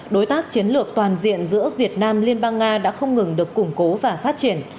đối tác chiến lược toàn diện giữa việt nam liên bang nga đã không ngừng được củng cố và phát triển